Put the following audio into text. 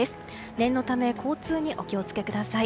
念のため、交通にお気を付けください。